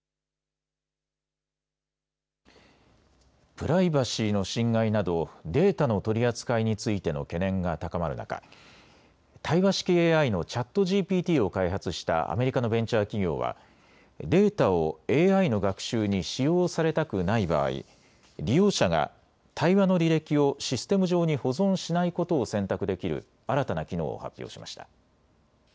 プライバシーの侵害などデータの取り扱いについての懸念が高まる中、対話式ＡＩのＣｈａｔＧＰＴを開発したアメリカのベンチャー企業はデータをＡＩの学習に使用されたくない場合、利用者が対話の履歴をシステム上に保存しないことを選択できる新たな機能を発表しました。